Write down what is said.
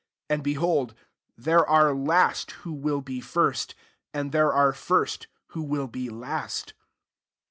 30 And, bdiold, there are last, who will be first, and there are first, who will be last."